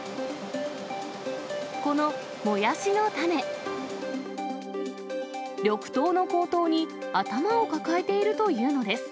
このもやしの種、緑豆の高騰に頭を抱えているというのです。